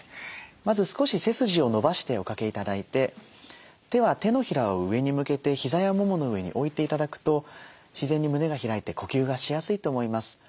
まず少し背筋を伸ばしておかけ頂いて手は手のひらを上に向けてひざやももの上に置いて頂くと自然に胸が開いて呼吸がしやすいと思います。